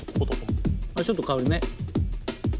あちょっと変わるね。